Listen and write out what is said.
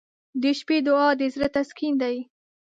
• د شپې دعا د زړه تسکین دی.